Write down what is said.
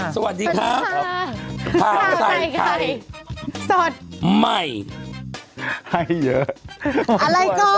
สวัสดีค่ะสวัสดีค่ะท่าใส่ใครสดไม่ให้เยอะอะไรก่อน